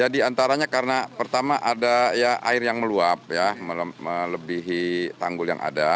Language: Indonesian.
di antaranya karena pertama ada air yang meluap ya melebihi tanggul yang ada